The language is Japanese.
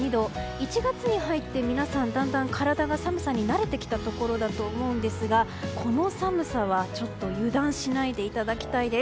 １月に入って皆さん、だんだん体が寒さに慣れてきたところだと思いますがこの寒さはちょっと油断しないでいただきたいです。